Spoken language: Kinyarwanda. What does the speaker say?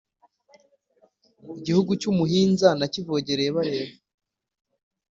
Igihugu cy’umuhinza nakivogereye bareba